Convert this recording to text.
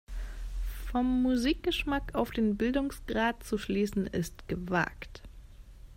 Vom Musikgeschmack auf den Bildungsgrad zu schließen, ist gewagt.